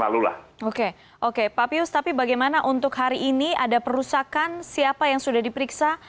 lalu lah oke oke papius tapi bagaimana untuk hari ini ada perusahaan siapa yang sudah diperiksa